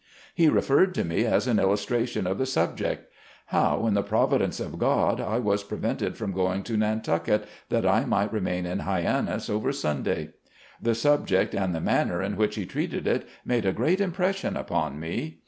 He referred to me as an illustration of the sub ject. How, in the providence of God, I was pre vented from going to Nantucket, that I might remain in Hyannis over Sunday. The subject and the manner in which he treated it, made a great impression upon me.